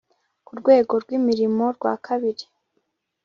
ku rwego rw imirimo rwa kabiri